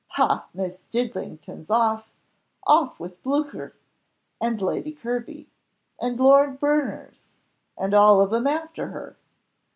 "Ha! Miss Didlington's off; off with Blucher, and Lady Kirby, and Lord Berners, and all of 'em after her."